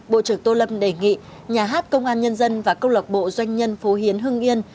bộ trưởng tô lâm đề nghị nhà hát công an nhân dân và công lọc bộ doanh nhân phú hiến hương yên